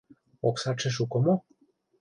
— Оксатше шуко мо?